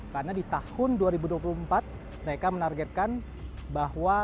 karena di tahun dua ribu dua puluh empat mereka menargetkan bahwa